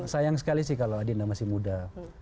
sayang sekali sih kalau adinda masih muda